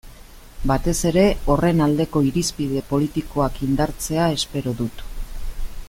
Batez ere horren aldeko irizpide politikoak indartzea espero dut.